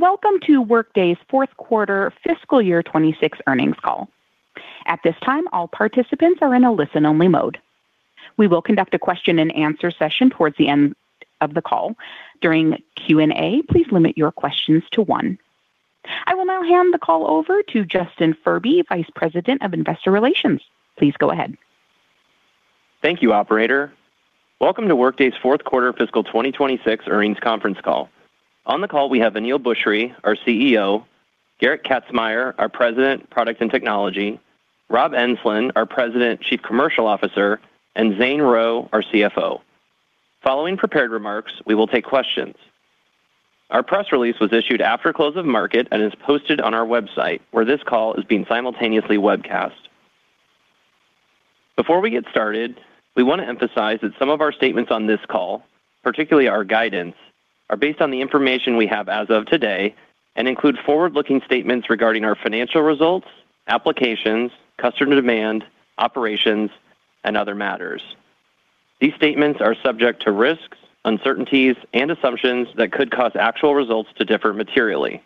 Ladies and gentlemen, welcome to Workday's Fourth Quarter Fiscal Year 2026 earnings call. At this time, all participants are in a listen-only mode. We will conduct a question and answer session towards the end of the call. During Q&A, please limit your questions to one. I will now hand the call over to Justin Furby, Vice President of Investor Relations. Please go ahead. Thank you, operator. Welcome to Workday's Fourth Quarter Fiscal 2026 earnings conference call. On the call, we have Aneel Bhusri, our CEO, Gerrit Kazmaier, our President, Product and Technology, Rob Enslin, our President, Chief Commercial Officer, and Zane Rowe, our CFO. Following prepared remarks, we will take questions. Our press release was issued after close of market and is posted on our website, where this call is being simultaneously webcast. Before we get started, we want to emphasize that some of our statements on this call, particularly our guidance, are based on the information we have as of today and include forward-looking statements regarding our financial results, applications, customer demand, operations, and other matters. These statements are subject to risks, uncertainties, and assumptions that could cause actual results to differ materially.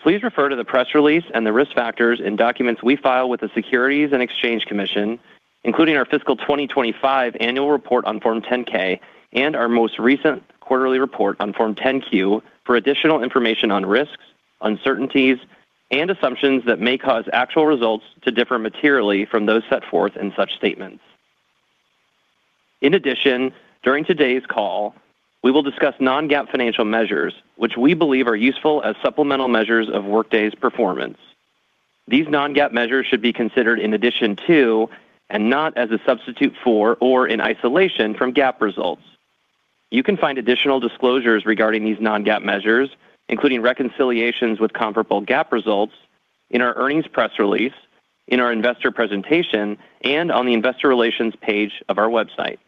Please refer to the press release and the risk factors in documents we file with the Securities and Exchange Commission, including our fiscal 2025 annual report on Form 10-K and our most recent quarterly report on Form 10-Q for additional information on risks, uncertainties, and assumptions that may cause actual results to differ materially from those set forth in such statements. In addition, during today's call, we will discuss non-GAAP financial measures, which we believe are useful as supplemental measures of Workday's performance. These non-GAAP measures should be considered in addition to and not as a substitute for or in isolation from GAAP results. You can find additional disclosures regarding these non-GAAP measures, including reconciliations with comparable GAAP results in our earnings press release, in our investor presentation, and on the investor relations page of our website.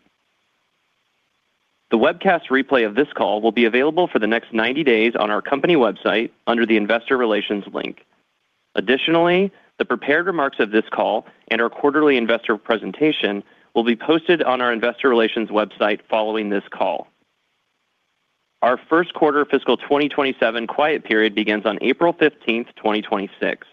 The webcast replay of this call will be available for the next 90 days on our company website under the Investor Relations link. Additionally, the prepared remarks of this call and our quarterly investor presentation will be posted on our Investor Relations website following this call. Our first quarter fiscal 2027 quiet period begins on April 15th, 2026.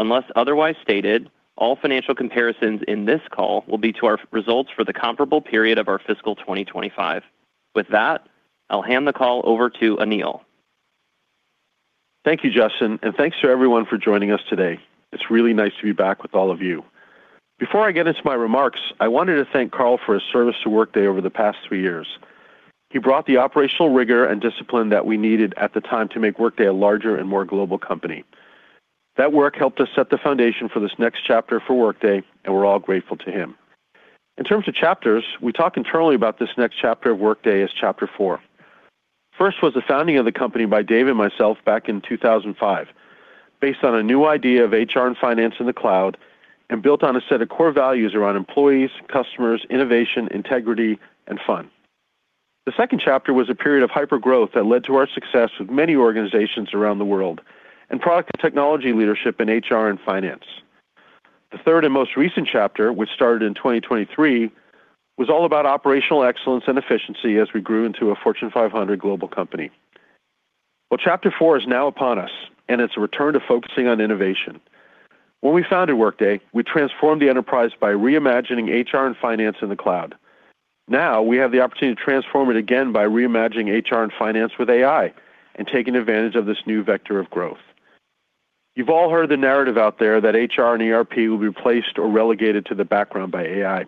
Unless otherwise stated, all financial comparisons in this call will be to our results for the comparable period of our fiscal 2025. With that, I'll hand the call over to Aneel. Thank you, Justin. Thanks to everyone for joining us today. It's really nice to be back with all of you. Before I get into my remarks, I wanted to thank Carl for his service to Workday over the past three years. He brought the operational rigor and discipline that we needed at the time to make Workday a larger and more global company. That work helped us set the foundation for this next chapter for Workday. We're all grateful to him. In terms of chapters, we talk internally about this next chapter of Workday as chapter four. First was the founding of the company by Dave and myself back in 2005, based on a new idea of HR and finance in the cloud and built on a set of core values around employees, customers, innovation, integrity, and fun. The second chapter was a period of hypergrowth that led to our success with many organizations around the world and product and technology leadership in HR and finance. The third and most recent chapter, which started in 2023, was all about operational excellence and efficiency as we grew into a Fortune 500 global company. Well, chapter four is now upon us, and it's a return to focusing on innovation. When we founded Workday, we transformed the enterprise by reimagining HR and finance in the cloud. Now we have the opportunity to transform it again by reimagining HR and finance with AI and taking advantage of this new vector of growth. You've all heard the narrative out there that HR and ERP will be replaced or relegated to the background by AI.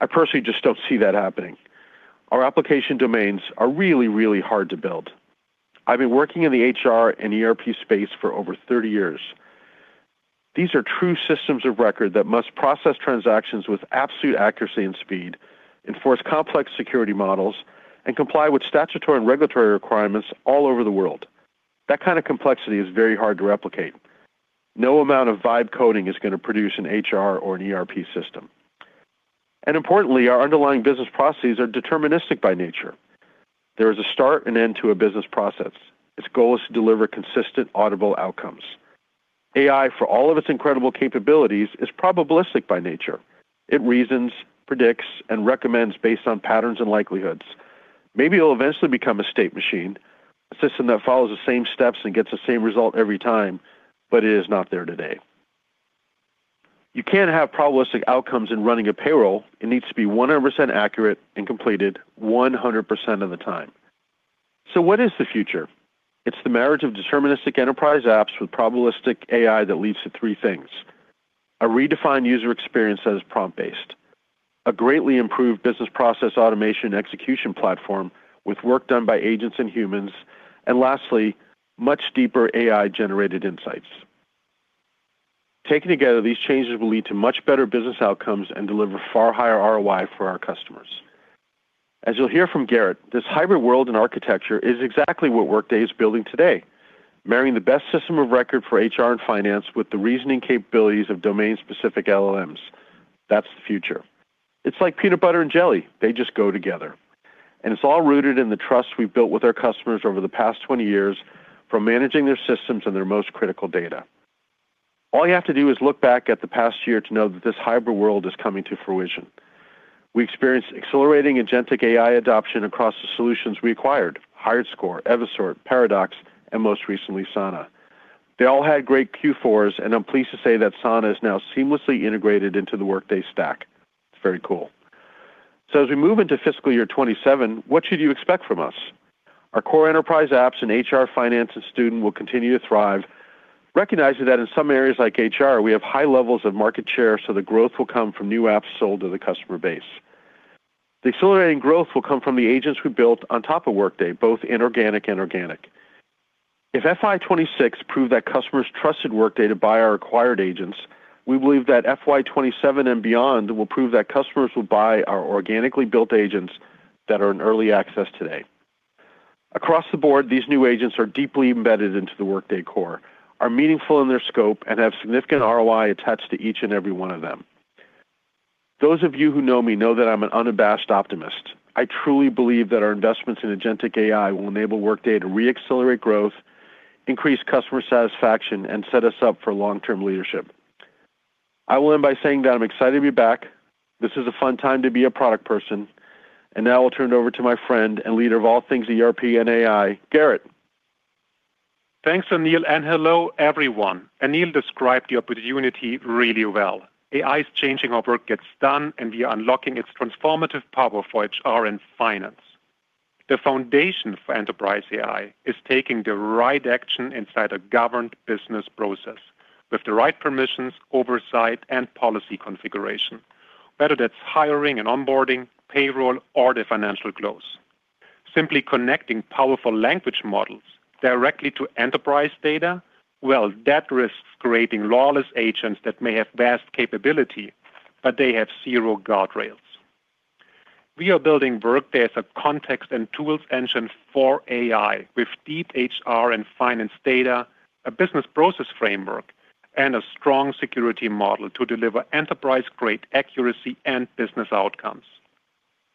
I personally just don't see that happening. Our application domains are really, really hard to build. I've been working in the HR and ERP space for over 30 years. These are true systems of record that must process transactions with absolute accuracy and speed, enforce complex security models, and comply with statutory and regulatory requirements all over the world. That kind of complexity is very hard to replicate. No amount of vibe coding is going to produce an HR or an ERP system. Importantly, our underlying business processes are deterministic by nature. There is a start and end to a business process. Its goal is to deliver consistent, audible outcomes. AI, for all of its incredible capabilities, is probabilistic by nature. It reasons, predicts, and recommends based on patterns and likelihoods. Maybe it'll eventually become a state machine, a system that follows the same steps and gets the same result every time, but it is not there today. You can't have probabilistic outcomes in running a payroll. It needs to be 100% accurate and completed 100% of the time. What is the future? It's the marriage of deterministic enterprise apps with probabilistic AI that leads to three things: a redefined user experience that is prompt-based, a greatly improved business process automation execution platform with work done by agents and humans, and lastly, much deeper AI-generated insights. Taken together, these changes will lead to much better business outcomes and deliver far higher ROI for our customers. As you'll hear from Gerrit, this hybrid world and architecture is exactly what Workday is building today, marrying the best system of record for HR and finance with the reasoning capabilities of domain-specific LLMs. That's the future. It's like peanut butter and jelly. They just go together. It's all rooted in the trust we've built with our customers over the past 20 years from managing their systems and their most critical data. All you have to do is look back at the past year to know that this hybrid world is coming to fruition. We experienced accelerating agentic AI adoption across the solutions we acquired: HiredScore, Evisort, Paradox, and most recently, Sana. They all had great Q4s. I'm pleased to say that Sana is now seamlessly integrated into the Workday stack. It's very cool. As we move into fiscal year 2027, what should you expect from us? Our core enterprise apps in HR, finance, and student will continue to thrive, recognizing that in some areas like HR, we have high levels of market share. The growth will come from new apps sold to the customer base. The accelerating growth will come from the agents we built on top of Workday, both inorganic and organic. If FY26 proved that customers trusted Workday to buy our acquired agents, we believe that FY27 and beyond will prove that customers will buy our organically built agents that are in early access today. Across the board, these new agents are deeply embedded into the Workday core, are meaningful in their scope, and have significant ROI attached to each and every one of them. Those of you who know me know that I'm an unabashed optimist. I truly believe that our investments in agentic AI will enable Workday to re-accelerate growth, increase customer satisfaction, and set us up for long-term leadership. I will end by saying that I'm excited to be back. This is a fun time to be a product person. Now I'll turn it over to my friend and leader of all things ERP and AI, Gerrit Thanks, Aneel. Hello, everyone. Aneel described the opportunity really well. AI is changing how work gets done. We are unlocking its transformative power for HR and finance. The foundation for enterprise AI is taking the right action inside a governed business process with the right permissions, oversight, and policy configuration, whether that's hiring and onboarding, payroll, or the financial close. Simply connecting powerful language models directly to enterprise data, well, that risks creating lawless agents that may have vast capability, but they have zero guardrails. We are building Workday as a context and tools engine for AI with deep HR and finance data, a business process framework, and a strong security model to deliver enterprise-grade accuracy and business outcomes.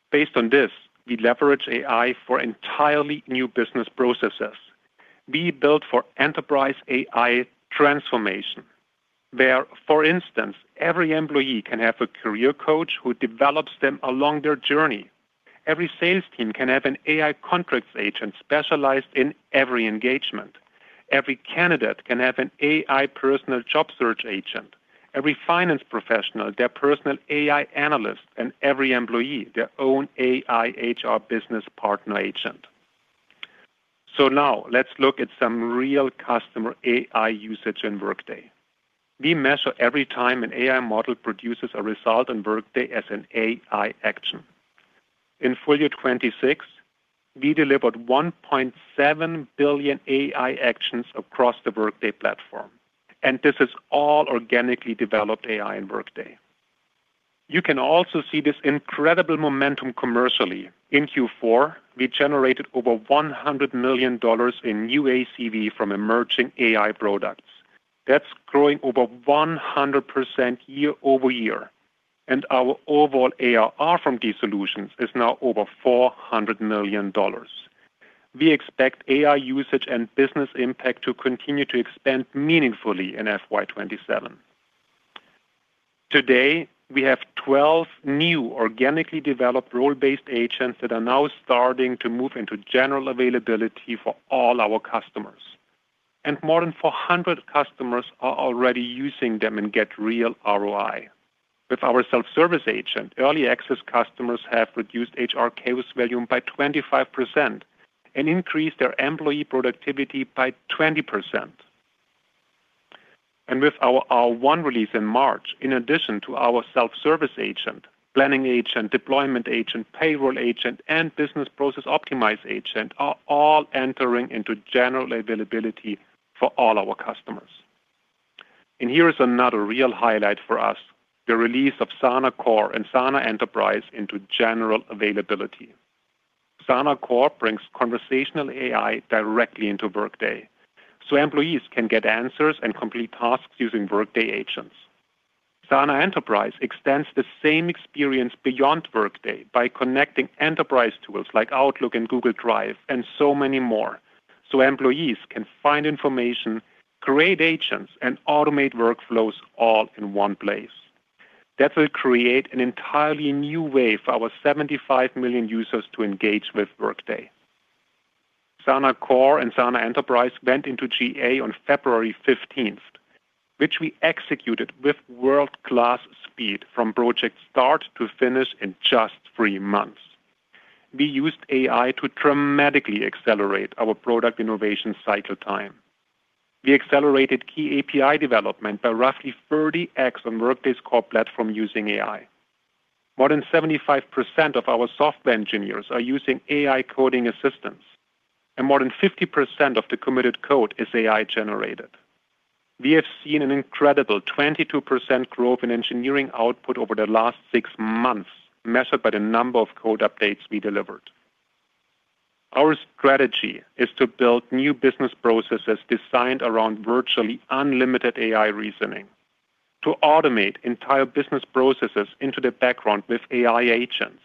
Based on this, we leverage AI for entirely new business processes. We built for enterprise AI transformation, where, for instance, every employee can have a career coach who develops them along their journey. Every sales team can have an AI contracts agent specialized in every engagement. Every candidate can have an AI personal job search agent, every finance professional, their personal AI analyst, and every employee, their own AI HR business partner agent. Now let's look at some real customer AI usage in Workday. We measure every time an AI model produces a result in Workday as an AI action. In full year 2026, we delivered 1.7 billion AI actions across the Workday platform, and this is all organically developed AI in Workday. You can also see this incredible momentum commercially. In Q4, we generated over $100 million in new ACV from emerging AI products. That's growing over 100% year-over-year, and our overall ARR from these solutions is now over $400 million. We expect AI usage and business impact to continue to expand meaningfully in FY27. Today, we have 12 new organically developed role-based agents that are now starting to move into general availability for all our customers, and more than 400 customers are already using them and get real ROI. With our self-service agent, early access customers have reduced HR case volume by 25% and increased their employee productivity by 20%. With our R1 release in March, in addition to our self-service agent, planning agent, deployment agent, payroll agent, and business process optimize agent, are all entering into general availability for all our customers. Here is another real highlight for us, the release of Sana Core and Sana Enterprise into general availability. Sana Core brings conversational AI directly into Workday, so employees can get answers and complete tasks using Workday agents. Sana Enterprise extends the same experience beyond Workday by connecting enterprise tools like Outlook and Google Drive and so many more, so employees can find information, create agents, and automate workflows all in one place. That will create an entirely new way for our 75 million users to engage with Workday. Sana Core and Sana Enterprise went into GA on February 15th, which we executed with world-class speed from project start to finish in just 3 months. We used AI to dramatically accelerate our product innovation cycle time. We accelerated key API development by roughly 30X on Workday's core platform using AI. More than 75% of our software engineers are using AI coding assistants, and more than 50% of the committed code is AI-generated. We have seen an incredible 22% growth in engineering output over the last 6 months, measured by the number of code updates we delivered. Our strategy is to build new business processes designed around virtually unlimited AI reasoning to automate entire business processes into the background with AI agents,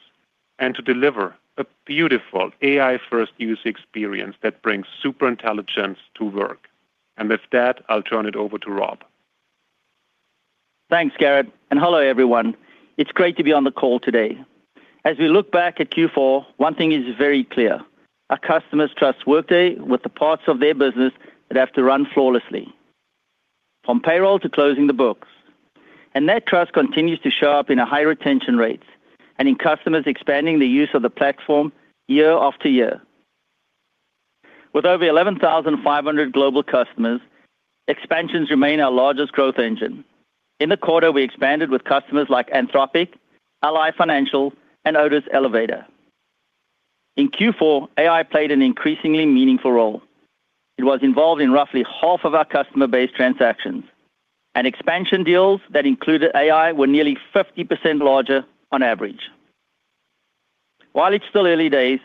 and to deliver a beautiful AI-first user experience that brings super intelligence to work. With that, I'll turn it over to Rob. Thanks, Gerrit, and hello, everyone. It's great to be on the call today. As we look back at Q4, one thing is very clear: our customers trust Workday with the parts of their business that have to run flawlessly, from payroll to closing the books. That trust continues to show up in our high retention rates and in customers expanding the use of the platform year after year. With over 11,500 global customers, expansions remain our largest growth engine. In the quarter, we expanded with customers like Anthropic, Ally Financial, and Otis Elevator. In Q4, AI played an increasingly meaningful role. It was involved in roughly half of our customer base transactions, and expansion deals that included AI were nearly 50% larger on average. While it's still early days,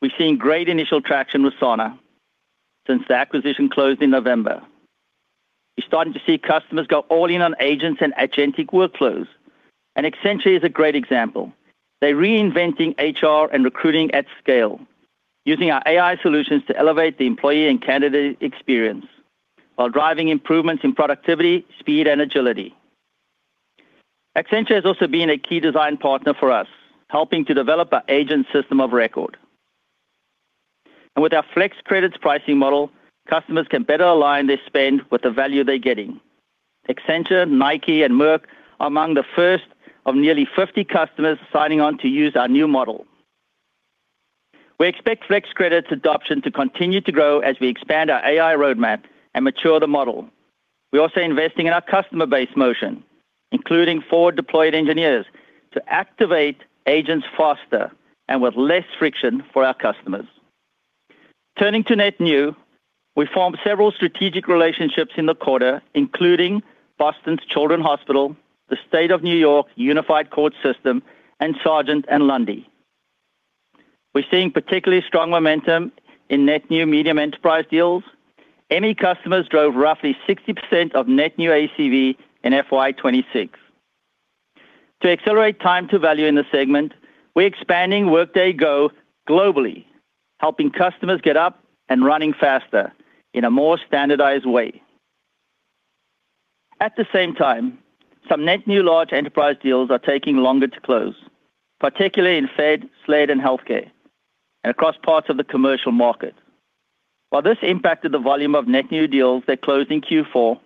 we've seen great initial traction with Sana since the acquisition closed in November. We're starting to see customers go all in on agents and agentic workflows. Accenture is a great example. They're reinventing HR and recruiting at scale, using our AI solutions to elevate the employee and candidate experience while driving improvements in productivity, speed, and agility. Accenture has also been a key design partner for us, helping to develop our agent system of record. With our Flex Credits pricing model, customers can better align their spend with the value they're getting. Accenture, Nike, and Merck are among the first of nearly 50 customers signing on to use our new model. We expect Flex Credits adoption to continue to grow as we expand our AI roadmap and mature the model. We're also investing in our customer base motion, including forward-deployed engineers, to activate agents faster and with less friction for our customers. Turning to net new, we formed several strategic relationships in the quarter, including Boston Children's Hospital, the New York State Unified Court System, and Sargent & Lundy. We're seeing particularly strong momentum in net new medium enterprise deals. ME customers drove roughly 60% of net new ACV in FY26. To accelerate time to value in this segment, we're expanding Workday Go globally, helping customers get up and running faster in a more standardized way. At the same time, some net new large enterprise deals are taking longer to close, particularly in Fed, SLED, and Healthcare and across parts of the commercial market. While this impacted the volume of net new deals that closed in Q4,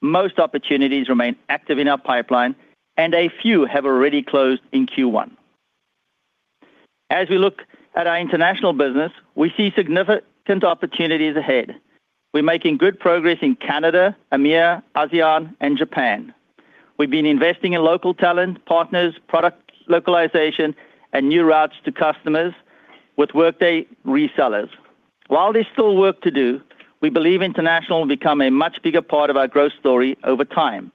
most opportunities remain active in our pipeline, and a few have already closed in Q1. As we look at our international business, we see significant opportunities ahead. We're making good progress in Canada, EMEA, ASEAN, and Japan. We've been investing in local talent, partners, product localization, and new routes to customers with Workday resellers. While there's still work to do, we believe international will become a much bigger part of our growth story over time,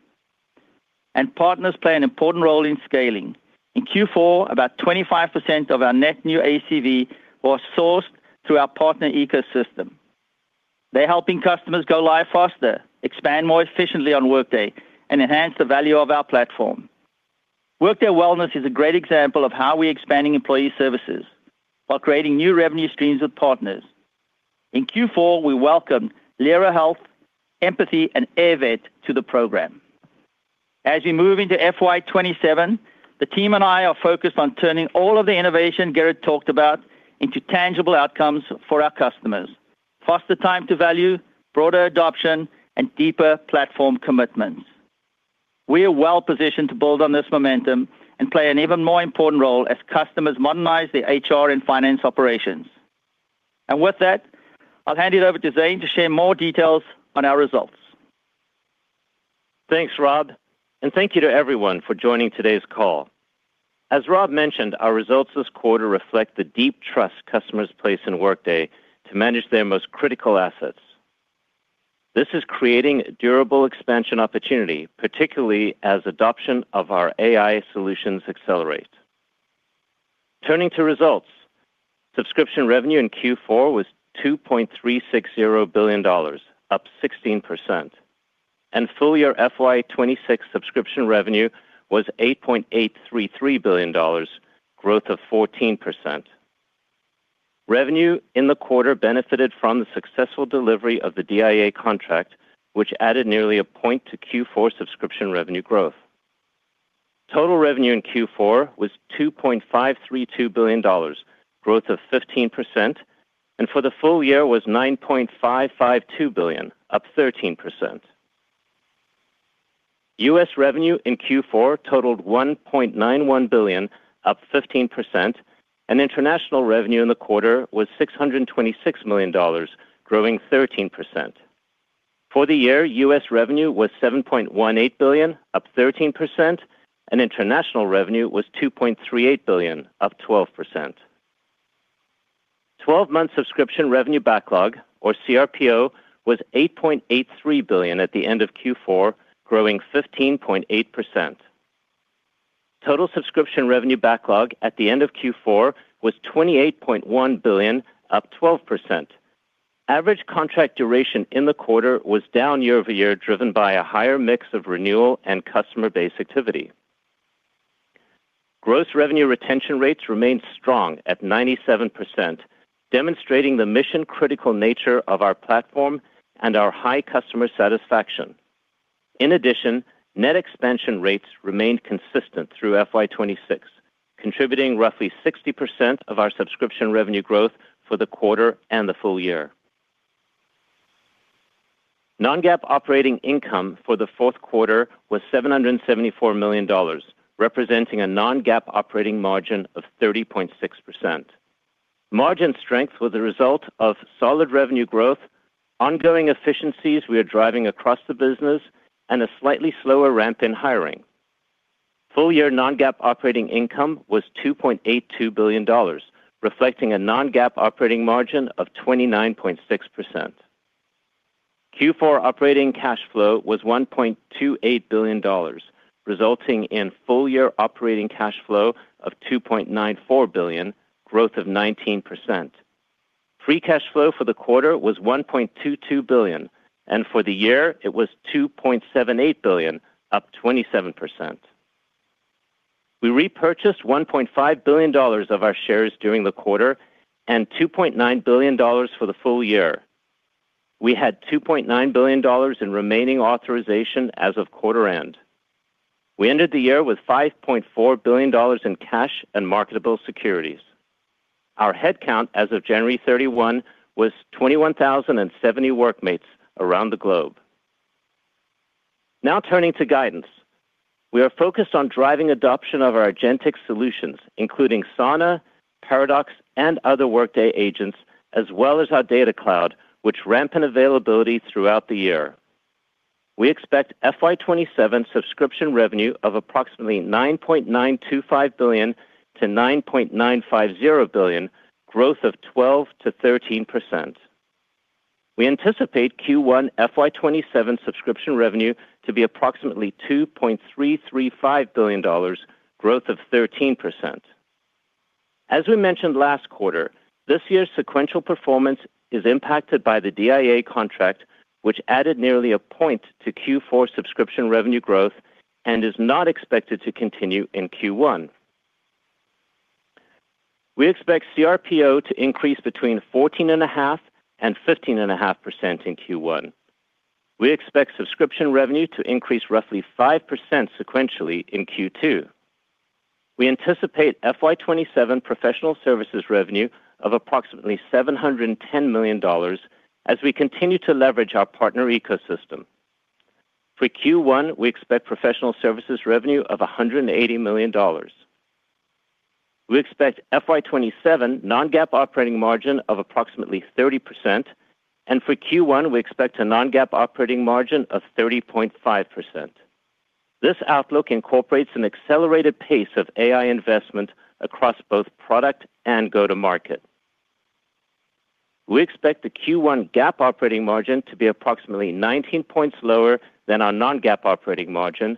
and partners play an important role in scaling. In Q4, about 25% of our net new ACV was sourced through our partner ecosystem. They're helping customers go live faster, expand more efficiently on Workday, and enhance the value of our platform. Workday Wellness is a great example of how we're expanding employee services while creating new revenue streams with partners. In Q4, we welcomed Lyra Health, Empathy, and Airvet to the program. As we move into FY27, the team and I are focused on turning all of the innovation Gerrit talked about into tangible outcomes for our customers, faster time to value, broader adoption, and deeper platform commitments. We are well positioned to build on this momentum and play an even more important role as customers modernize their HR and finance operations. With that, I'll hand it over to Zane to share more details on our results. Thanks, Rob. Thank you to everyone for joining today's call. As Rob mentioned, our results this quarter reflect the deep trust customers place in Workday to manage their most critical assets. This is creating durable expansion opportunity, particularly as adoption of our AI solutions accelerate. Turning to results, subscription revenue in Q4 was $2.360 billion, up 16%, and full year FY26 subscription revenue was $8.833 billion, growth of 14%. Revenue in the quarter benefited from the successful delivery of the DIA contract, which added nearly a point to Q4 subscription revenue growth. Total revenue in Q4 was $2.532 billion, growth of 15%, and for the full year was $9.552 billion, up 13%. U.S. revenue in Q4 totaled $1.91 billion, up 15%, and international revenue in the quarter was $626 million, growing 13%. For the year, U.S. revenue was $7.18 billion, up 13%, and international revenue was $2.38 billion, up 12%. 12-month subscription revenue backlog, or CRPO, was $8.83 billion at the end of Q4, growing 15.8%. Total subscription revenue backlog at the end of Q4 was $28.1 billion, up 12%. Average contract duration in the quarter was down year-over-year, driven by a higher mix of renewal and customer base activity. Gross revenue retention rates remained strong at 97%, demonstrating the mission-critical nature of our platform and our high customer satisfaction. In addition, net expansion rates remained consistent through FY26, contributing roughly 60% of our subscription revenue growth for the quarter and the full year. Non-GAAP operating income for the fourth quarter was $774 million, representing a non-GAAP operating margin of 30.6%. Margin strength was a result of solid revenue growth, ongoing efficiencies we are driving across the business, and a slightly slower ramp in hiring. Full-year non-GAAP operating income was $2.82 billion, reflecting a non-GAAP operating margin of 29.6%. Q4 operating cash flow was $1.28 billion, resulting in full-year operating cash flow of $2.94 billion, growth of 19%. Free cash flow for the quarter was $1.22 billion, and for the year, it was $2.78 billion, up 27%. We repurchased $1.5 billion of our shares during the quarter and $2.9 billion for the full year. We had $2.9 billion in remaining authorization as of quarter end. We ended the year with $5.4 billion in cash and marketable securities. Our headcount as of January 31 was 21,070 workmates around the globe. Now turning to guidance. We are focused on driving adoption of our agentic solutions, including Sana, Paradox, and other Workday agents, as well as our Data Cloud, which ramp in availability throughout the year. We expect FY27 subscription revenue of approximately $9.925 billion-$9.950 billion, growth of 12%-13%. We anticipate Q1 FY27 subscription revenue to be approximately $2.335 billion, growth of 13%. As we mentioned last quarter, this year's sequential performance is impacted by the DIA contract, which added nearly a point to Q4 subscription revenue growth and is not expected to continue in Q1. We expect CRPO to increase between 14.5% and 15.5% in Q1. We expect subscription revenue to increase roughly 5% sequentially in Q2. We anticipate FY27 professional services revenue of approximately $710 million as we continue to leverage our partner ecosystem. For Q1, we expect professional services revenue of $180 million. We expect FY27 non-GAAP operating margin of approximately 30%, and for Q1, we expect a non-GAAP operating margin of 30.5%. This outlook incorporates an accelerated pace of AI investment across both product and go-to-market. We expect the Q1 GAAP operating margin to be approximately 19 points lower than our non-GAAP operating margin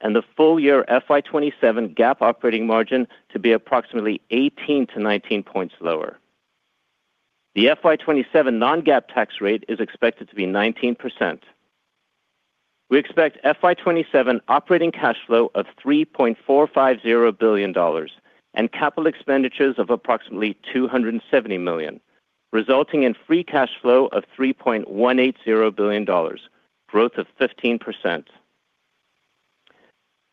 and the full-year FY27 GAAP operating margin to be approximately 18-19 points lower. The FY27 non-GAAP tax rate is expected to be 19%. We expect FY27 operating cash flow of $3.450 billion and capital expenditures of approximately $270 million, resulting in free cash flow of $3.180 billion, growth of 15%.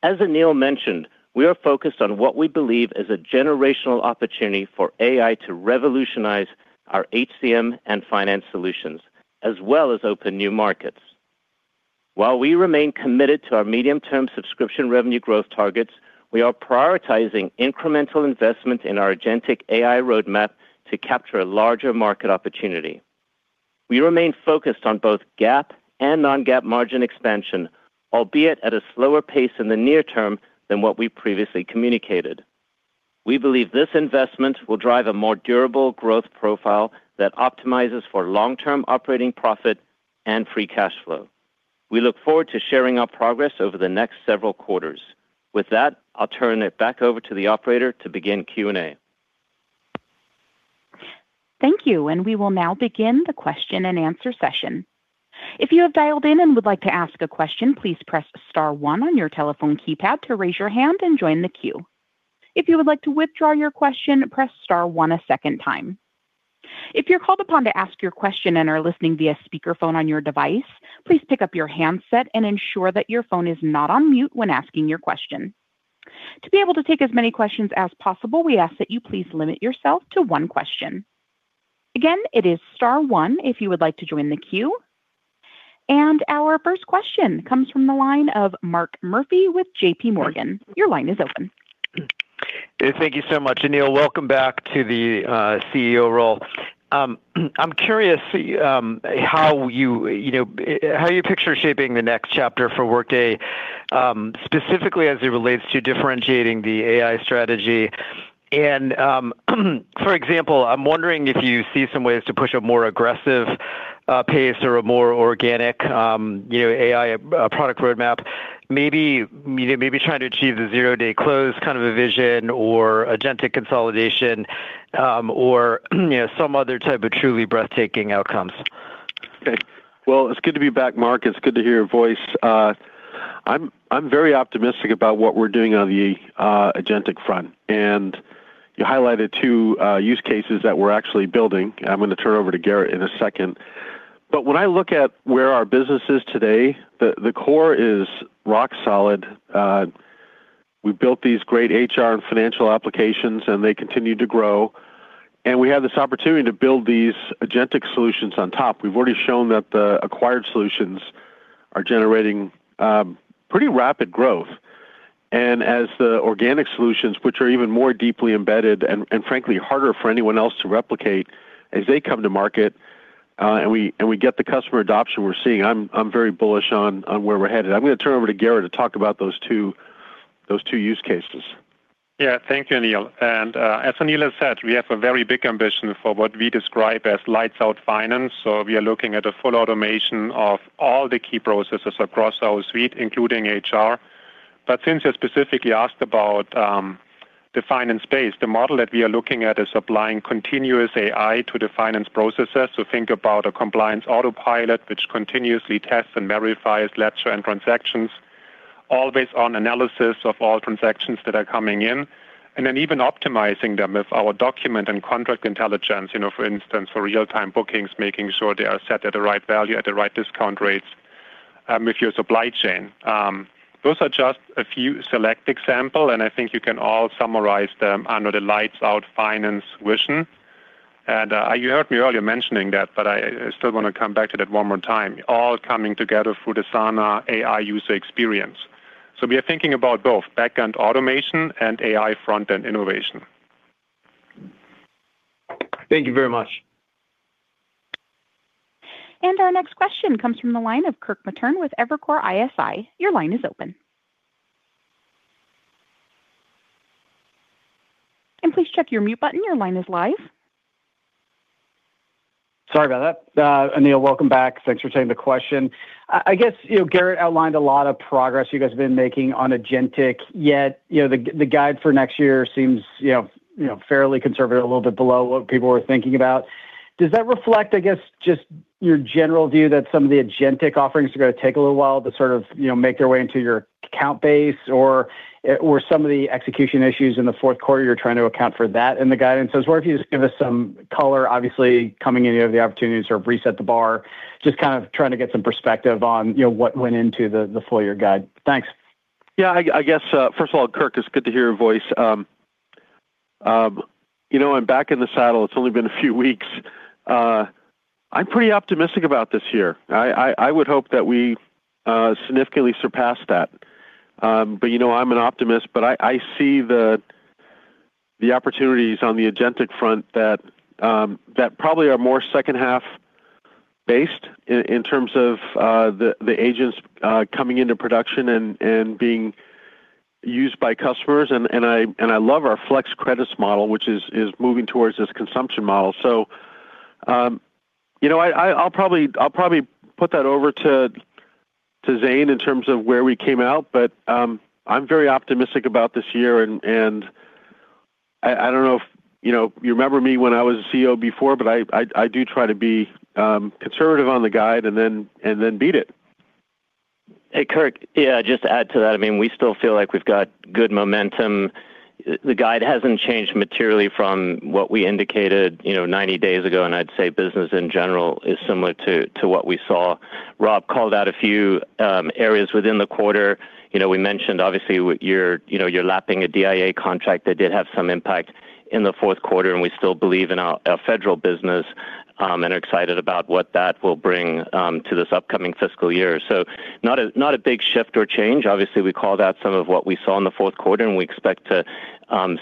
As Aneel mentioned, we are focused on what we believe is a generational opportunity for AI to revolutionize our HCM and finance solutions, as well as open new markets. While we remain committed to our medium-term subscription revenue growth targets, we are prioritizing incremental investment in our agentic AI roadmap to capture a larger market opportunity. We remain focused on both GAAP and non-GAAP margin expansion, albeit at a slower pace in the near term than what we previously communicated. We believe this investment will drive a more durable growth profile that optimizes for long-term operating profit and free cash flow. We look forward to sharing our progress over the next several quarters. With that, I'll turn it back over to the operator to begin Q&A. Thank you. We will now begin the question-and-answer session. If you have dialed in and would like to ask a question, please press star one on your telephone keypad to raise your hand and join the queue. If you would like to withdraw your question, press star one a second time. If you're called upon to ask your question and are listening via speakerphone on your device, please pick up your handset and ensure that your phone is not on mute when asking your question. To be able to take as many questions as possible, we ask that you please limit yourself to one question. Again, it is star one if you would like to join the queue. Our first question comes from the line of Mark Murphy with J.P. Morgan. Your line is open. Thank you so much, Anil. Welcome back to the CEO role. I'm curious, how you know, how you picture shaping the next chapter for Workday, specifically as it relates to differentiating the AI strategy. For example, I'm wondering if you see some ways to push a more aggressive, pace or a more organic, you know, AI product roadmap, maybe trying to achieve the zero day close kind of a vision or agentic consolidation, or, you know, some other type of truly breathtaking outcomes? Okay. Well, it's good to be back, Mark. It's good to hear your voice. I'm very optimistic about what we're doing on the agentic front. You highlighted two use cases that we're actually building. I'm gonna turn over to Gerrit in a second. When I look at where our business is today, the core is rock solid. We built these great HR and financial applications, and they continue to grow, and we have this opportunity to build these agentic solutions on top. We've already shown that the acquired solutions are generating pretty rapid growth. As the organic solutions, which are even more deeply embedded and frankly, harder for anyone else to replicate as they come to market, and we get the customer adoption we're seeing, I'm very bullish on where we're headed. I'm gonna turn over to Gerrit to talk about those two use cases. Yeah. Thank you, Aneel. As Aneel has said, we have a very big ambition for what we describe as lights out finance. We are looking at a full automation of all the key processes across our suite, including HR. Since you specifically asked about the finance space, the model that we are looking at is applying continuous AI to the finance processes. Think about a compliance autopilot, which continuously tests and verifies ledger and transactions, all based on analysis of all transactions that are coming in, and then even optimizing them with our document and contract intelligence, you know, for instance, for real-time bookings, making sure they are set at the right value, at the right discount rates, with your supply chain. Those are just a few select example, and I think you can all summarize them under the lights out finance vision. You heard me earlier mentioning that, but I still wanna come back to that one more time, all coming together through the Sana AI user experience. We are thinking about both, backend automation and AI front-end innovation. Thank you very much. Our next question comes from the line of Kirk Materne with Evercore ISI. Your line is open. Please check your mute button. Your line is live. Sorry about that. Aneel, welcome back. Thanks for taking the question. I guess, you know, Gerrit outlined a lot of progress you guys have been making on agentic, yet, you know, the guide for next year seems, you know, fairly conservative, a little bit below what people were thinking about. Does that reflect, I guess, just your general view that some of the agentic offerings are gonna take a little while to sort of, you know, make their way into your account base, or or some of the execution issues in the fourth quarter, you're trying to account for that in the guidance? I was wondering if you could just give us some color. Obviously, coming in, you have the opportunity to sort of reset the bar. Just kind of trying to get some perspective on, you know, what went into the full year guide. Thanks. Yeah, I guess, first of all, Kirk, it's good to hear your voice. You know, I'm back in the saddle. It's only been a few weeks. I'm pretty optimistic about this year. I would hope that we significantly surpass that. But, you know, I'm an optimist, but I see the opportunities on the agentic front that probably are more second half based in terms of the agents coming into production and being used by customers. I love our Flex Credits model, which is moving towards this consumption model. You know, I'll probably put that over to Zane in terms of where we came out. I'm very optimistic about this year. I don't know if, you know, you remember me when I was a CEO before. I do try to be conservative on the guide and then beat it. Hey, Kirk. Yeah, just to add to that, I mean, we still feel like we've got good momentum. The guide hasn't changed materially from what we indicated, you know, 90 days ago. I'd say business in general is similar to what we saw. Rob called out a few areas within the quarter. You know, we mentioned obviously, you know, you're lapping a DIA contract that did have some impact in the fourth quarter. We still believe in our Federal business and are excited about what that will bring to this upcoming fiscal year. Not a big shift or change. Obviously, we called out some of what we saw in the fourth quarter. We expect to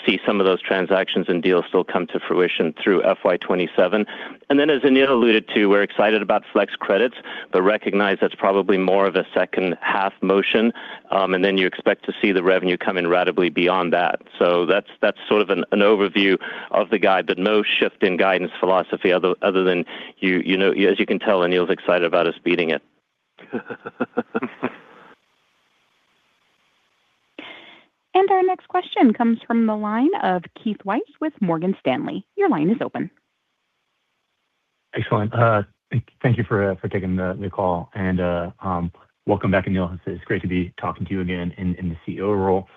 see some of those transactions and deals still come to fruition through FY27. As Aneel alluded to, we're excited about Flex Credits, but recognize that's probably more of a second half motion, and then you expect to see the revenue come in ratably beyond that. That's sort of an overview of the guide, but no shift in guidance philosophy other than you know, as you can tell, Aneel's excited about us beating it. Our next question comes from the line of Keith Weiss with Morgan Stanley. Your line is open. Excellent. Thank you for taking the call, and welcome back, Aneel. It's great to be talking to you again in the CEO role.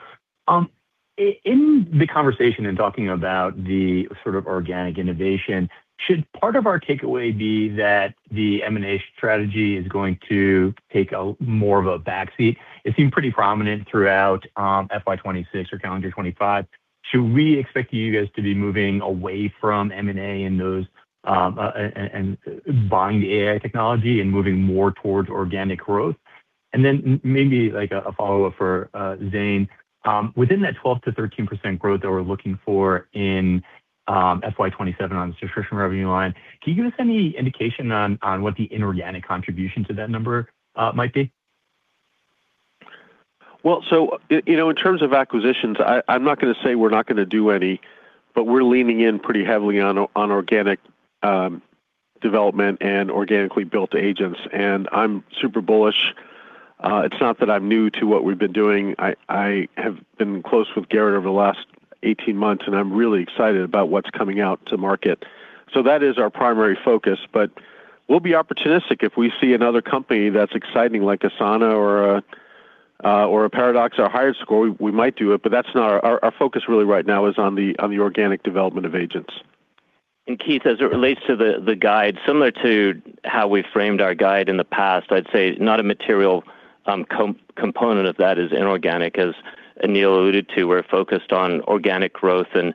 In the conversation in talking about the sort of organic innovation, should part of our takeaway be that the M&A strategy is going to take a more of a backseat? It seemed pretty prominent throughout FY26 or calendar 2025. Should we expect you guys to be moving away from M&A and those and buying the AI technology and moving more towards organic growth? And then maybe, like a follow-up for Zane. Within that 12%-13% growth that we're looking for in FY27 on the subscription revenue line, can you give us any indication on what the inorganic contribution to that number might be? You know, in terms of acquisitions, I'm not gonna say we're not gonna do any, but we're leaning in pretty heavily on organic development and organically built agents, and I'm super bullish. It's not that I'm new to what we've been doing. I have been close with Gerrit over the last 18 months, and I'm really excited about what's coming out to market. That is our primary focus. We'll be opportunistic if we see another company that's exciting, like Sana or a Paradox or HiredScore, we might do it, but that's not our focus really right now is on the, on the organic development of agents. Keith, as it relates to the guide, similar to how we framed our guide in the past, I'd say not a material component of that is inorganic. As Aneel alluded to, we're focused on organic growth, and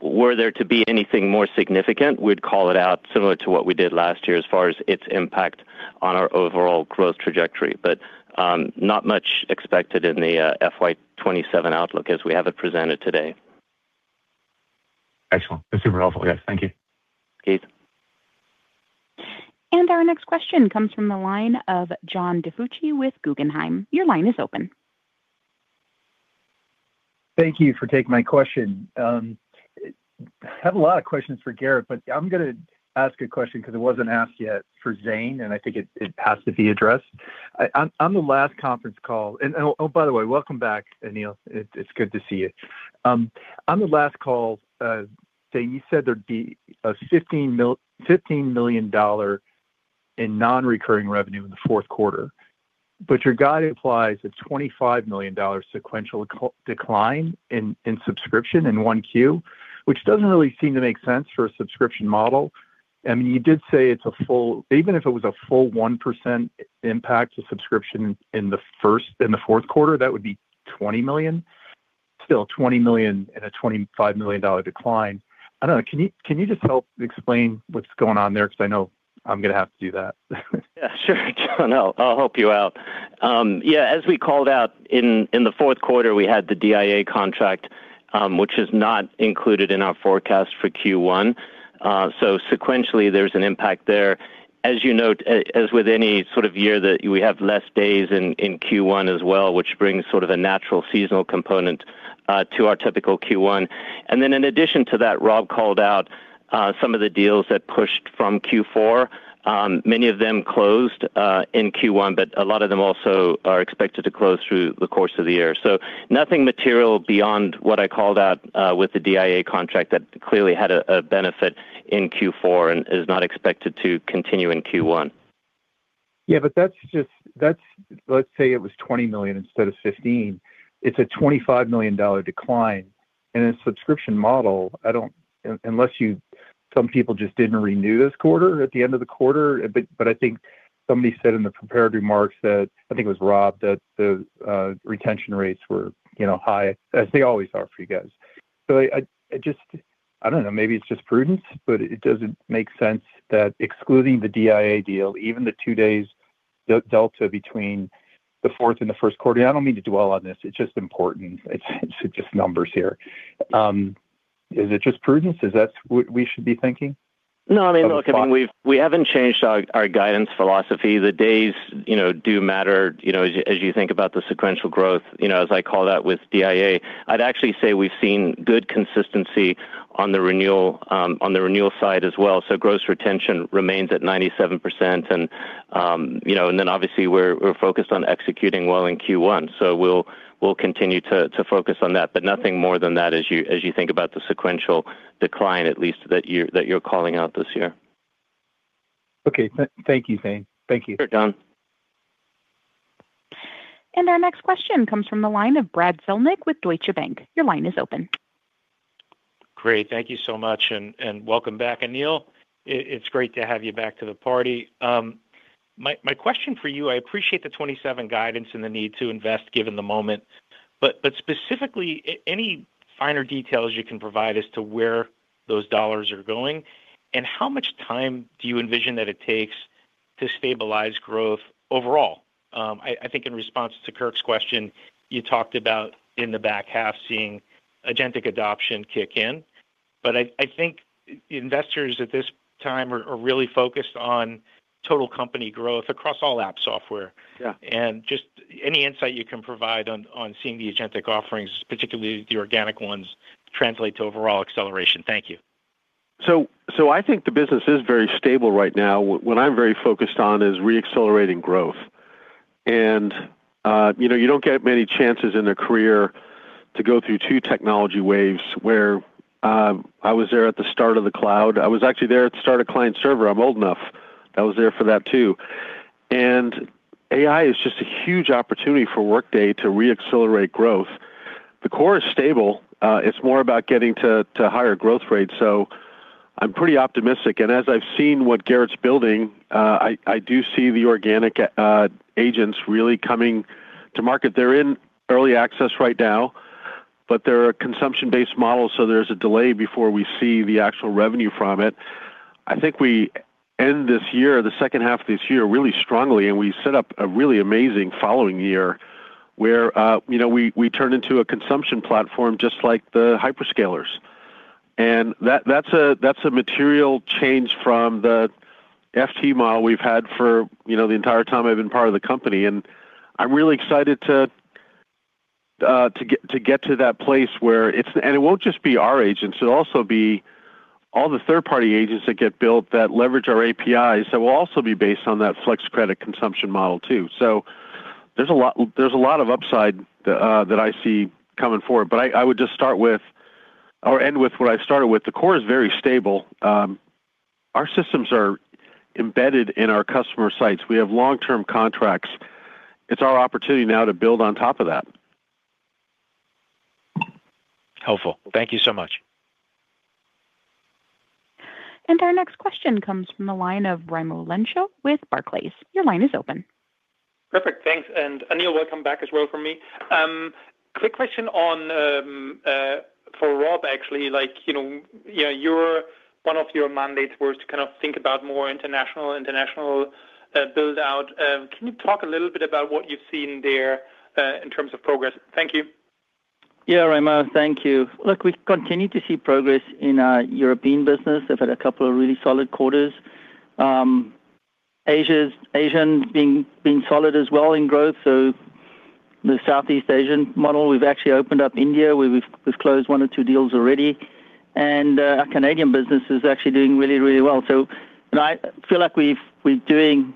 were there to be anything more significant, we'd call it out, similar to what we did last year, as far as its impact on our overall growth trajectory. Not much expected in the FY27 outlook as we have it presented today. Excellent. That's super helpful, guys. Thank you. Keith. Our next question comes from the line of John DiFucci with Guggenheim. Your line is open. Thank you for taking my question. I have a lot of questions for Gerrit, but I'm gonna ask a question 'cause it wasn't asked yet for Zane, and I think it has to be addressed. On the last conference call. Oh, by the way, welcome back, Aneel. It's good to see you. On the last call, Zane, you said there'd be a $15 million non-recurring revenue in the fourth quarter. Your guide implies a $25 million sequential decline in subscription in 1Q, which doesn't really seem to make sense for a subscription model. I mean, you did say it's even if it was a full 1% impact to subscription in the fourth quarter, that would be $20 million. Still $20 million in a $25 million decline. I don't know. Can you just help explain what's going on there? 'Cause I know I'm gonna have to do that. Sure, John. I'll help you out. As we called out in the fourth quarter, we had the DIA contract, which is not included in our forecast for Q1. Sequentially, there's an impact there. As you note, as with any sort of year that we have less days in Q1 as well, which brings sort of a natural seasonal component to our typical Q1. In addition to that, Rob called out some of the deals that pushed from Q4. Many of them closed in Q1, but a lot of them also are expected to close through the course of the year. Nothing material beyond what I called out with the DIA contract that clearly had a benefit in Q4 and is not expected to continue in Q1. Yeah, let's say it was $20 million instead of 15. It's a $25 million decline. In a subscription model, unless some people just didn't renew this quarter, at the end of the quarter, but I think somebody said in the prepared remarks that, I think it was Rob, that the retention rates were, you know, high, as they always are for you guys. I don't know, maybe it's just prudence, but it doesn't make sense that excluding the DIA deal, even the 2 days delta between the fourth and the first quarter. I don't mean to dwell on this, it's just important. It's just numbers here. Is it just prudence? Is that what we should be thinking? No, I mean, look, I mean, we haven't changed our guidance philosophy. The days, you know, do matter, you know, as you think about the sequential growth, you know, as I call that with DIA. I'd actually say we've seen good consistency on the renewal, on the renewal side as well. Gross retention remains at 97%. You know, obviously, we're focused on executing well in Q1, we'll continue to focus on that, but nothing more than that as you think about the sequential decline, at least that you're calling out this year. Okay. Thank you, Zane. Thank you. Sure, John. Our next question comes from the line of Brad Zelnick with Deutsche Bank. Your line is open. Great. Thank you so much, and welcome back, Aneel. It's great to have you back to the party. My question for you, I appreciate the 27 guidance and the need to invest given the moment, but specifically, any finer details you can provide as to where those $ dollars are going, and how much time do you envision that it takes to stabilize growth overall? I think in response to Kirk's question, you talked about in the back half seeing agentic adoption kick in, but I think investors at this time are really focused on total company growth across all app software. Yeah. Just any insight you can provide on seeing the agentic offerings, particularly the organic ones, translate to overall acceleration. Thank you. I think the business is very stable right now. What I'm very focused on is re-accelerating growth. You know, you don't get many chances in a career to go through two technology waves where I was there at the start of the cloud. I was actually there at the start of client server. I'm old enough. I was there for that too. AI is just a huge opportunity for Workday to re-accelerate growth. The core is stable, it's more about getting to higher growth rates. I'm pretty optimistic. As I've seen what Gerrit's building, I do see the organic agents really coming to market. They're in early access right now, but they're a consumption-based model, there's a delay before we see the actual revenue from it. I think we end this year, the second half of this year, really strongly, and we set up a really amazing following year where, you know, we turn into a consumption platform just like the hyperscalers. That's a material change from the FT model we've had for, you know, the entire time I've been part of the company, I'm really excited to get to that place. It won't just be our agents, it'll also be all the third-party agents that get built that leverage our APIs, that will also be based on that Flex Credit consumption model, too. There's a lot of upside that I see coming forward. I would just start with or end with what I started with. The core is very stable. Our systems are embedded in our customer sites. We have long-term contracts. It's our opportunity now to build on top of that. Helpful. Thank you so much. Our next question comes from the line of Raimo Lenschow with Barclays. Your line is open. Perfect. Thanks. Aneel, welcome back as well from me. Quick question on for Rob, actually. Like, you know, yeah, your, one of your mandates was to kind of think about more international build-out. Can you talk a little bit about what you've seen there, in terms of progress? Thank you. Yeah, Raimo, thank you. Look, we continue to see progress in our European business. We've had a couple of really solid quarters. Asian's been solid as well in growth, so the Southeast Asian model, we've actually opened up India, where we've closed one or two deals already, and our Canadian business is actually doing really, really well. I feel like we're doing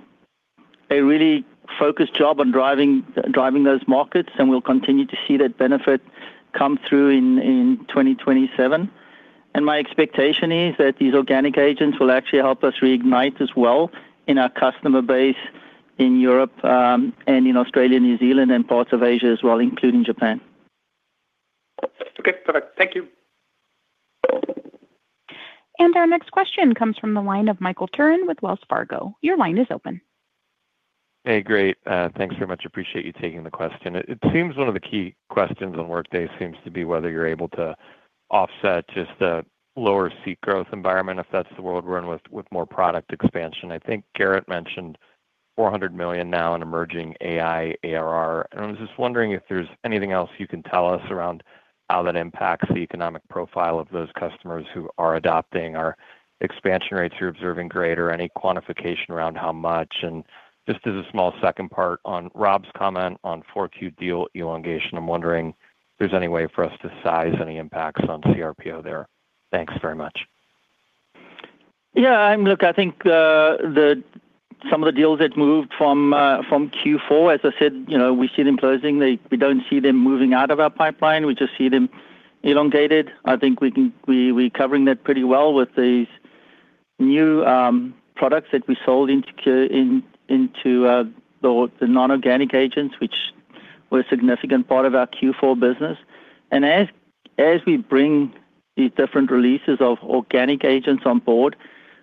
a really focused job on driving those markets, and we'll continue to see that benefit come through in 2027. My expectation is that these organic agents will actually help us reignite as well in our customer base in Europe, and in Australia, New Zealand, and parts of Asia as well, including Japan. Okay, perfect. Thank you. Our next question comes from the line of Michael Turrin with Wells Fargo. Your line is open. Hey, great. Thanks very much. Appreciate you taking the question. It seems one of the key questions on Workday seems to be whether you're able to offset just the lower seat growth environment, if that's the world we're in, with more product expansion. I think Gerrit mentioned $400 million now in emerging AI, ARR, and I was just wondering if there's anything else you can tell us around how that impacts the economic profile of those customers who are adopting? Are expansion rates you're observing greater? Any quantification around how much? And just as a small second part on Rob's comment on four Q deal elongation, I'm wondering if there's any way for us to size any impacts on CRPO there. Thanks very much. Look, I think the some of the deals that moved from Q4, as I said, you know, we see them closing. We don't see them moving out of our pipeline. We just see them elongated. I think we can, we're covering that pretty well with these new products that we sold into the non-organic agents, which were a significant part of our Q4 business. As we bring these different releases of organic agents on board,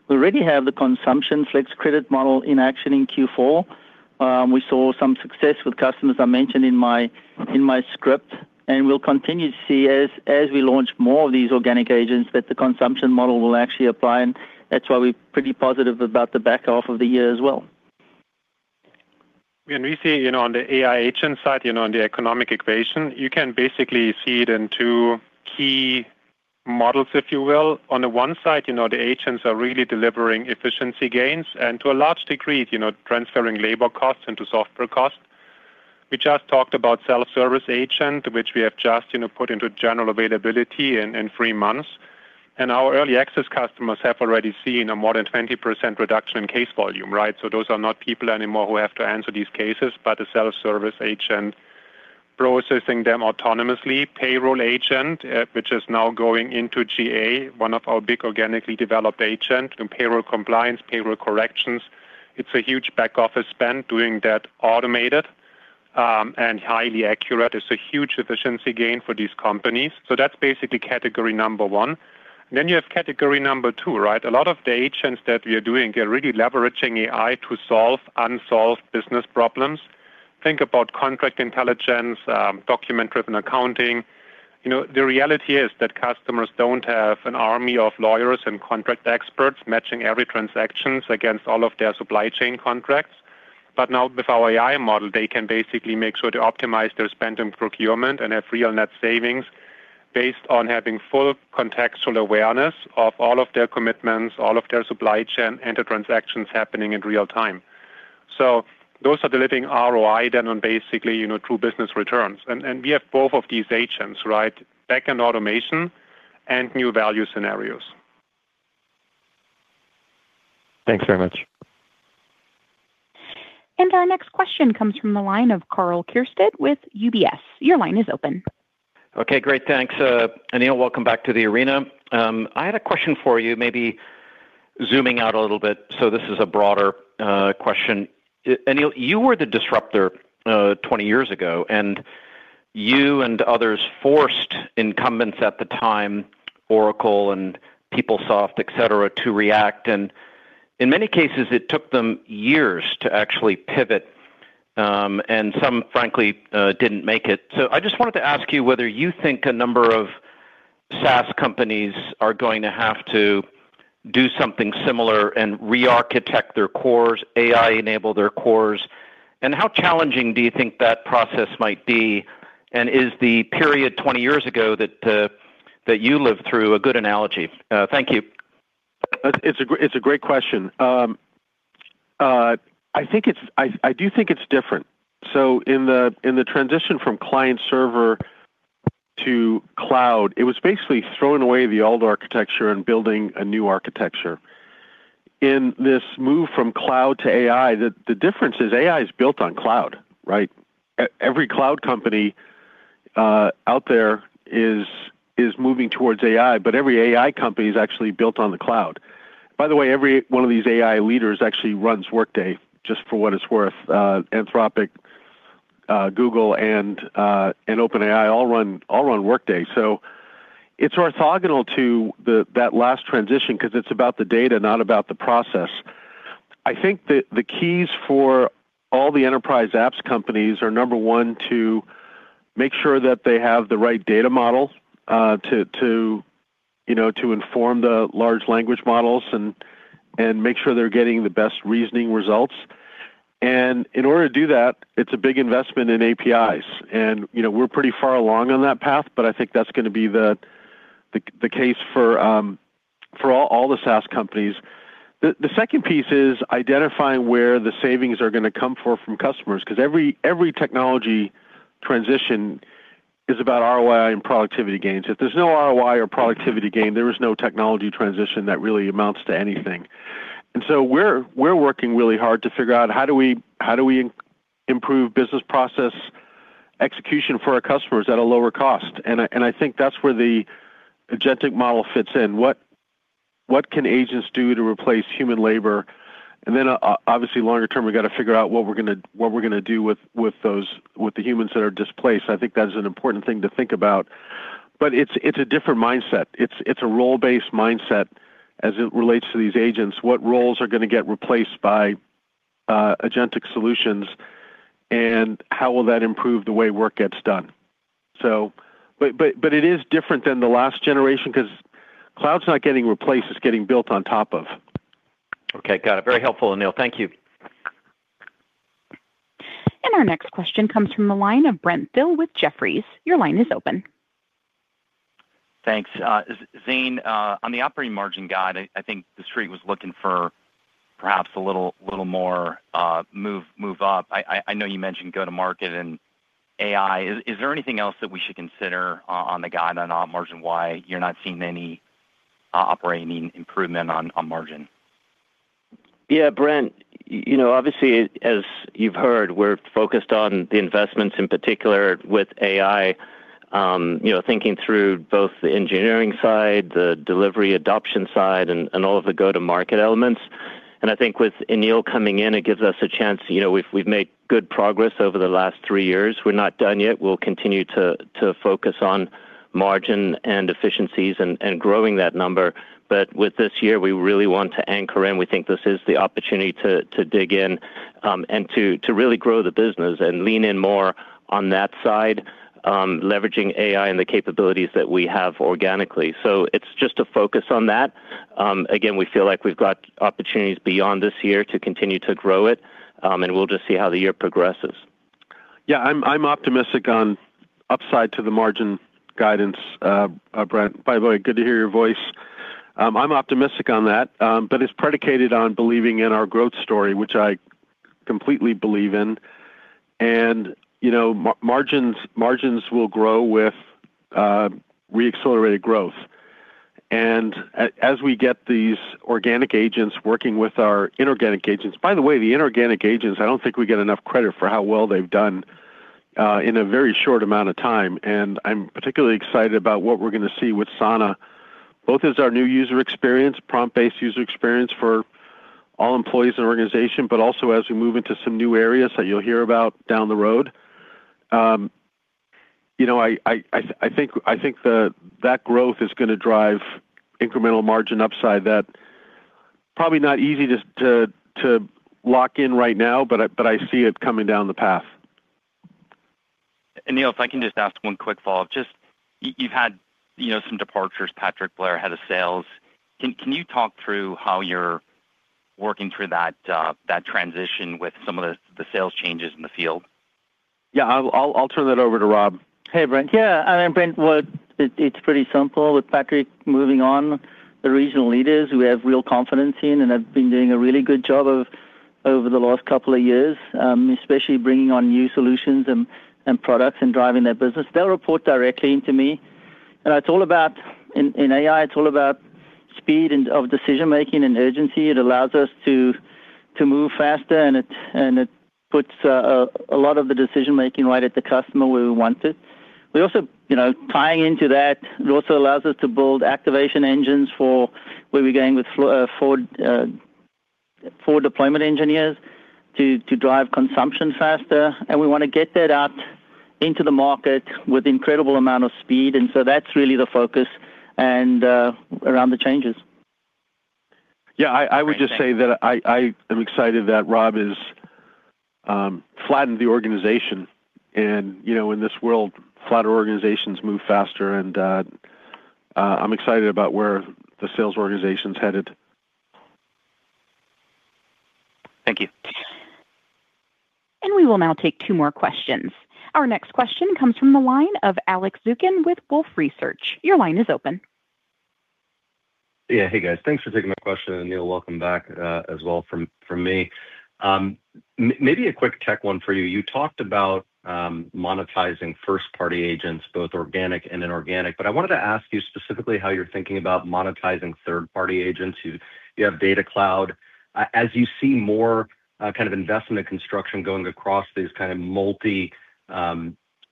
we already have the consumption Flex Credits model in action in Q4. We saw some success with customers, I mentioned in my, in my script. We'll continue to see as we launch more of these organic agents, that the consumption model will actually apply. That's why we're pretty positive about the back half of the year as well. When we see, you know, on the AI agent side, you know, on the economic equation, you can basically see it in two key models, if you will. On the one side, you know, the agents are really delivering efficiency gains, and to a large degree, you know, transferring labor costs into software costs. We just talked about Self-Service Agent, which we have just, you know, put into general availability in three months, and our early access customers have already seen a more than 20% reduction in case volume, right? Those are not people anymore who have to answer these cases, but a Self-Service Agent processing them autonomously. Payroll Agent, which is now going into GA, one of our big organically developed agent, doing payroll compliance, payroll corrections. It's a huge back-office spend doing that automated and highly accurate. It's a huge efficiency gain for these companies. That's basically category number 1. You have category number 2, right? A lot of the agents that we are doing are really leveraging AI to solve unsolved business problems. Think about contract intelligence, document-driven accounting. You know, the reality is that customers don't have an army of lawyers and contract experts matching every transactions against all of their supply chain contracts. Now with our AI model, they can basically make sure to optimize their spend and procurement and have real net savings based on having full contextual awareness of all of their commitments, all of their supply chain, and the transactions happening in real time. Those are delivering ROI then on basically, you know, true business returns. And we have both of these agents, right? Backend automation and new value scenarios. Thanks very much. Our next question comes from the line of Karl Keirsted with UBS. Your line is open. Okay, great. Thanks, Aneel, welcome back to the arena. I had a question for you, maybe zooming out a little bit, this is a broader question. Aneel, you were the disruptor 20 years ago, you and others forced incumbents at the time, Oracle and PeopleSoft, et cetera, to react, in many cases, it took them years to actually pivot, and some frankly didn't make it. I just wanted to ask you whether you think a number of SaaS companies are going to do something similar and rearchitect their cores, AI enable their cores? How challenging do you think that process might be? Is the period 20 years ago that you lived through a good analogy? Thank you. It's a great question. I do think it's different. In the transition from client-server to cloud, it was basically throwing away the old architecture and building a new architecture. In this move from cloud to AI, the difference is AI is built on cloud, right? Every cloud company out there is moving towards AI, but every AI company is actually built on the cloud. By the way, every one of these AI leaders actually runs Workday, just for what it's worth. Anthropic, Google, and OpenAI all run Workday. It's orthogonal to that last transition 'cause it's about the data, not about the process. I think that the keys for all the enterprise apps companies are, number one, to make sure that they have the right data model, to, you know, to inform the large language models and make sure they're getting the best reasoning results. In order to do that, it's a big investment in APIs. You know, we're pretty far along on that path, but I think that's gonna be the case for all the SaaS companies. The second piece is identifying where the savings are gonna come for from customers, 'cause every technology transition is about ROI and productivity gains. If there's no ROI or productivity gain, there is no technology transition that really amounts to anything. We're working really hard to figure out how do we improve business process execution for our customers at a lower cost? I think that's where the agentic model fits in. What can agents do to replace human labor? Obviously, longer term, we've got to figure out what we're gonna do with the humans that are displaced. I think that is an important thing to think about. It's a different mindset. It's a role-based mindset as it relates to these agents. What roles are gonna get replaced by agentic solutions, and how will that improve the way work gets done? But it is different than the last generation 'cause cloud's not getting replaced, it's getting built on top of. Okay, got it. Very helpful, Aneel. Thank you. Our next question comes from the line of Brent Thill with Jefferies. Your line is open. Thanks. Zane, on the operating margin guide, I think the street was looking for perhaps a little more, move up. I know you mentioned go-to-market and AI. Is there anything else that we should consider on the guide on op margin, why you're not seeing any operating improvement on margin? Yeah, Brent, you know, obviously, as you've heard, we're focused on the investments, in particular with AI, you know, thinking through both the engineering side, the delivery adoption side, and all of the go-to-market elements. I think with Anil coming in, it gives us a chance. You know, we've made good progress over the last three years. We're not done yet. We'll continue to focus on margin and efficiencies and growing that number. With this year, we really want to anchor in. We think this is the opportunity to dig in, and to really grow the business and lean in more on that side, leveraging AI and the capabilities that we have organically. It's just a focus on that. Again, we feel like we've got opportunities beyond this year to continue to grow it, and we'll just see how the year progresses. Yeah, I'm optimistic on upside to the margin guidance, Brent. By the way, good to hear your voice. I'm optimistic on that, it's predicated on believing in our growth story, which I completely believe in. You know, margins will grow with reaccelerated growth. As we get these organic agents working with our inorganic agents. By the way, the inorganic agents, I don't think we get enough credit for how well they've done in a very short amount of time. I'm particularly excited about what we're gonna see with Sana, both as our new user experience, prompt-based user experience for all employees in the organization, also as we move into some new areas that you'll hear about down the road. You know, I think that growth is gonna drive incremental margin upside that probably not easy to lock in right now, but I see it coming down the path. Anil, if I can just ask one quick follow-up. Just you've had, you know, some departures, Patrick Blair, head of sales. Can you talk through how you're working through that transition with some of the sales changes in the field? Yeah, I'll turn that over to Rob. Hey, Brent. Yeah, Brent, well, it's pretty simple. With Patrick moving on, the regional leaders, we have real confidence in and have been doing a really good job over the last couple of years, especially bringing on new solutions and products and driving that business. They'll report directly to me. It's all about. In AI, it's all about speed and of decision-making and urgency. It allows us to move faster, and it puts a lot of the decision-making right at the customer, where we want it. We also, you know, tying into that, it also allows us to build activation engines for where we're going with forward deployment engineers to drive consumption faster, and we wanna get that out into the market with incredible amount of speed. That's really the focus and around the changes. Yeah, I would just say that I am excited that Rob is flattened the organization. You know, in this world, flatter organizations move faster, and I'm excited about where the sales organization's headed. Thank you. We will now take two more questions. Our next question comes from the line of Alex Zukin with Wolfe Research. Your line is open. Yeah. Hey, guys. Thanks for taking my question. Aneel, welcome back as well from me. Maybe a quick tech one for you. You talked about monetizing first-party agents, both organic and inorganic. I wanted to ask you specifically how you're thinking about monetizing third-party agents who you have Workday Data Cloud. As you see more kind of investment construction going across these kind of multi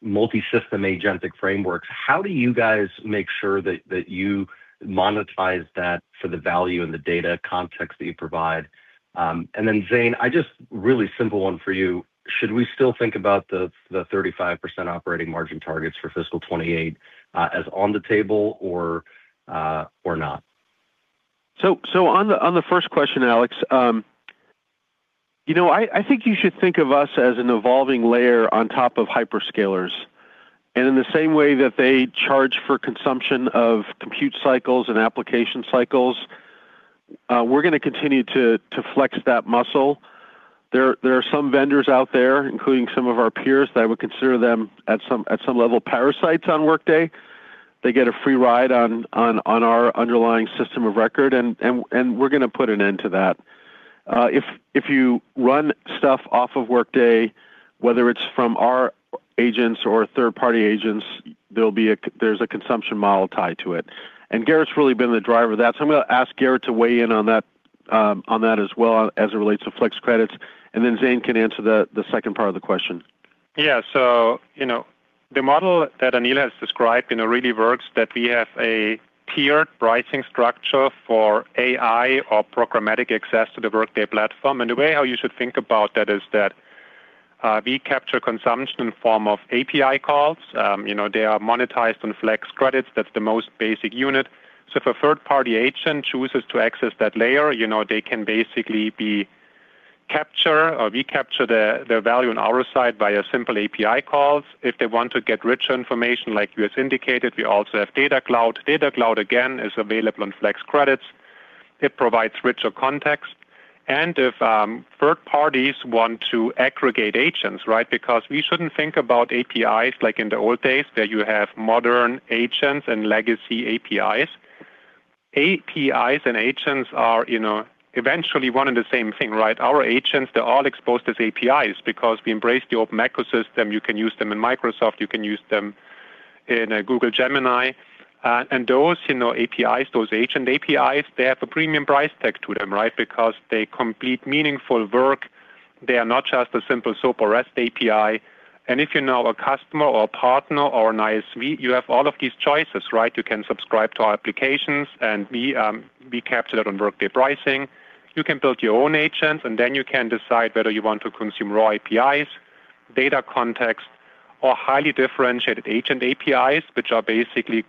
multi-system agentic frameworks, how do you guys make sure that you monetize that for the value and the data context that you provide? Zane, I just really simple one for you: Should we still think about the 35% operating margin targets for FY28 as on the table or not? On the first question, Alex, you know, I think you should think of us as an evolving layer on top of hyperscalers. In the same way that they charge for consumption of compute cycles and application cycles, we're going to continue to flex that muscle. There are some vendors out there, including some of our peers, that I would consider them at some level, parasites on Workday. They get a free ride on our underlying system of record, and we're going to put an end to that. If you run stuff off of Workday, whether it's from our agents or third-party agents, there's a consumption model tied to it. Gerrit's really been the driver of that, so I'm going to ask Gerrit to weigh in on that, on that as well as it relates to Flex Credits, and then Zane can answer the second part of the question. Yeah. You know, the model that Aneel has described, you know, really works, that we have a tiered pricing structure for AI or programmatic access to the Workday platform. The way how you should think about that is that we capture consumption in form of API calls. You know, they are monetized on Flex Credits. That's the most basic unit. If a third-party agent chooses to access that layer, you know, we capture the value on our side via simple API calls. If they want to get richer information, like you has indicated, we also have Data Cloud. Data Cloud, again, is available on Flex Credits. It provides richer context. If, third parties want to aggregate agents, right? Because we shouldn't think about APIs like in the old days, where you have modern agents and legacy APIs. APIs and agents are, you know, eventually one and the same thing, right? Our agents, they're all exposed as APIs because we embrace the open ecosystem. You can use them in Microsoft, you can use them in Google Gemini. Those, you know, APIs, those agent APIs, they have a premium price tag to them, right? Because they complete meaningful work. They are not just a simple SOAP or REST API. If you're now a customer or a partner or an ISV, you have all of these choices, right? You can subscribe to our applications and we capture that on Workday pricing. You can build your own agents, and then you can decide whether you want to consume raw APIs, data context, or highly differentiated agent APIs, which are basically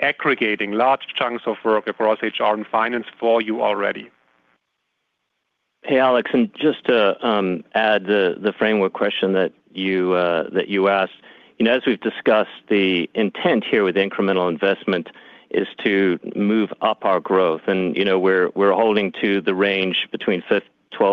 aggregating large chunks of work across HR and finance for you already. Hey, Alex, just to add the framework question that you asked. You know, as we've discussed, the intent here with incremental investment is to move up our growth. You know, we're holding to the range between 12%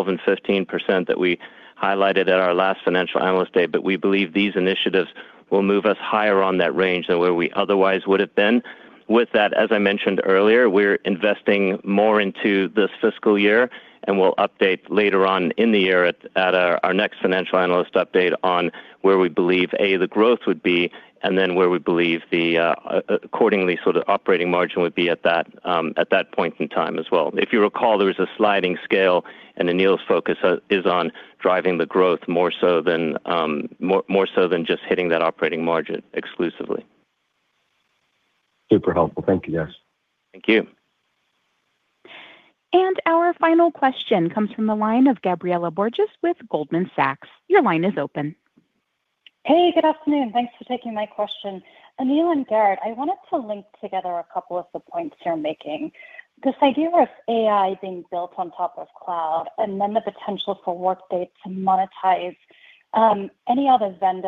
and 15% that we highlighted at our last financial analyst day, but we believe these initiatives will move us higher on that range than where we otherwise would have been. As I mentioned earlier, we're investing more into this fiscal year, and we'll update later on in the year at our next financial analyst update on where we believe, A, the growth would be, and then where we believe accordingly sort of operating margin would be at that point in time as well. If you recall, there was a sliding scale, and Aneel's focus is on driving the growth more so than just hitting that operating margin exclusively. Super helpful. Thank you, guys. Thank you. Our final question comes from the line of Gabriela Borges with Goldman Sachs. Your line is open. Hey, good afternoon. Thanks for taking my question. Anil and Gerrit, I wanted to link together a couple of the points you're making. This idea of AI being built on top of cloud, and then the potential for Workday to monetize any other vendor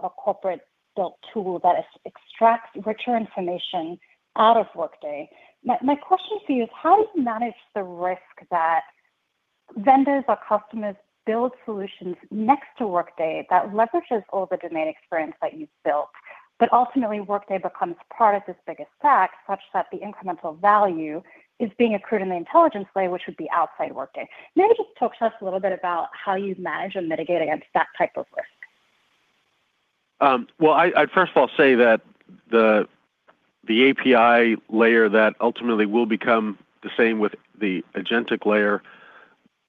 or corporate-built tool that extracts richer information out of Workday. My question to you is: How do you manage the risk that vendors or customers build solutions next to Workday that leverages all the domain experience that you've built, but ultimately, Workday becomes part of this bigger stack, such that the incremental value is being accrued in the intelligence layer, which would be outside Workday? Maybe just talk to us a little bit about how you manage and mitigate against that type of risk. Well, I'd first of all say that the API layer that ultimately will become the same with the agentic layer,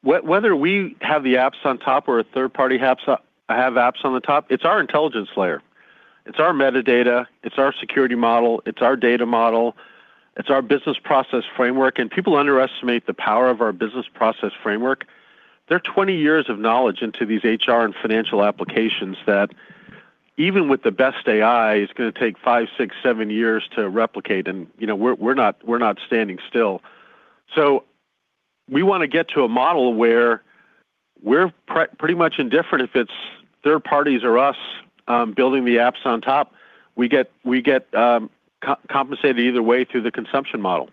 whether we have the apps on top or a third party apps, have apps on the top, it's our intelligence layer. It's our metadata, it's our security model, it's our data model, it's our business process framework, and people underestimate the power of our business process framework. There are 20 years of knowledge into these HR and financial applications that, even with the best AI, it's going to take 5, 6, 7 years to replicate, and, you know, we're not standing still. We want to get to a model where we're pretty much indifferent if it's third parties or us, building the apps on top. We get compensated either way through the consumption model.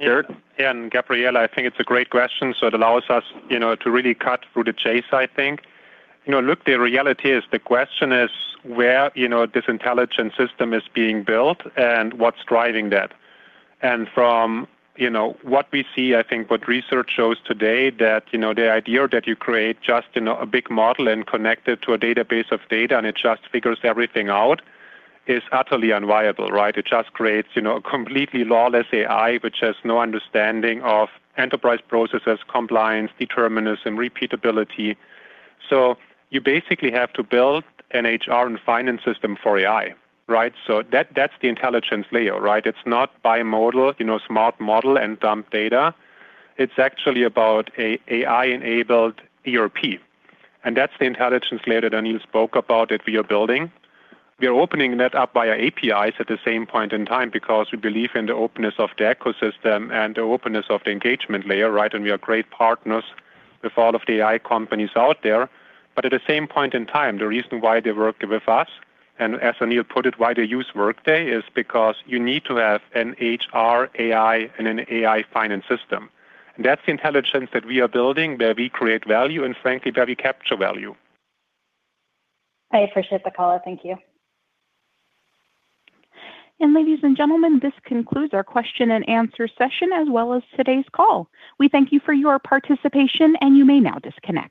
Gerrit? Yeah, Gabriela, I think it's a great question, so it allows us, you know, to really cut through the chase, I think. You know, look, the reality is the question is where, you know, this intelligent system is being built and what's driving that. From, you know, what we see, I think what research shows today that, you know, the idea that you create just, you know, a big model and connect it to a database of data, and it just figures everything out, is utterly unviable, right? It just creates, you know, a completely lawless AI, which has no understanding of enterprise processes, compliance, determinism, repeatability. You basically have to build an HR and finance system for AI, right? That, that's the intelligence layer, right? It's not bimodal, you know, smart model and dump data. It's actually about a AI-enabled ERP. That's the intelligence layer that Aneel spoke about that we are building. We are opening that up via APIs at the same point in time because we believe in the openness of the ecosystem and the openness of the engagement layer, right? We are great partners with all of the AI companies out there. At the same point in time, the reason why they work with us, and as Aneel put it, why they use Workday, is because you need to have an HR AI and an AI finance system. That's the intelligence that we are building, where we create value and, frankly, where we capture value. I appreciate the call. Thank you. Ladies and gentlemen, this concludes our question and answer session, as well as today's call. We thank you for your participation, and you may now disconnect.